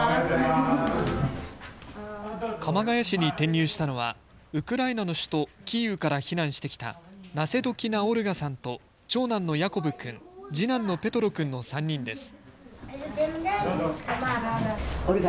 鎌ケ谷市に転入したのはウクライナの首都キーウから避難してきたナセドキナ・オルガさんと長男のヤコブ君、次男のペトロ君の３人です。